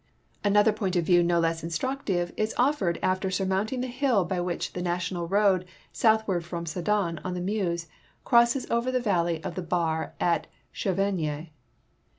Another point of view no less instructive is offered after surmounting the hill by which the national road soutliward from Sedan, on the Meuse, crosses over to the valley of the Bar at Chevenges.